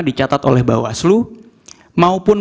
dicatat oleh bawaslu maupun